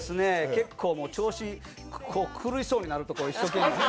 結構、調子狂いそうになるとこを一生懸命。